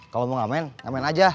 kalau mau ngamen ngamen aja